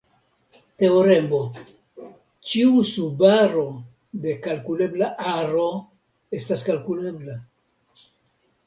Teoremo: Ĉiu subaro de kalkulebla aro estas kalkulebla.